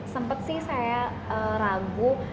sempat sih saya ragu